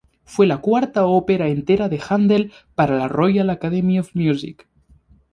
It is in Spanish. Fue la cuarta ópera entera de Händel para la Royal Academy of Music.